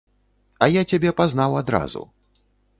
А я цябе пазнаў адразу.